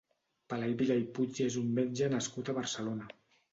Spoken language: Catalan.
Pelai Vilar i Puig és un metge nascut a Barcelona.